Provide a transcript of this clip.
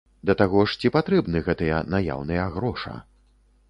Да таго ж ці патрэбны гэтыя наяўныя гроша?